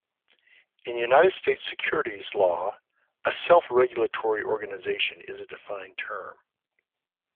In United States securities law, a self-regulatory organization is a defined term.